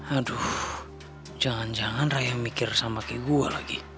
aduh jangan jangan raya mikir sama kayak gue lagi